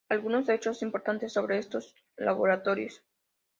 Algunos hechos importantes sobre estos laboratorios.